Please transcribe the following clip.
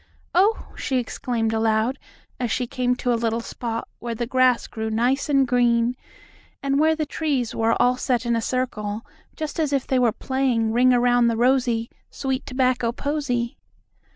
"Oh!" she exclaimed aloud, as she came to a little spot where the grass grew nice and green, and where the trees were all set in a circle, just as if they were playing, Ring Around the Rosy, Sweet Tobacco Posey.